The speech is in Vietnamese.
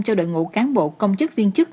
cho đội ngũ cán bộ công chức viên chức